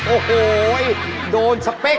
โอ้โหโดนสเปค